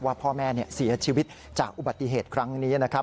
พ่อแม่เสียชีวิตจากอุบัติเหตุครั้งนี้นะครับ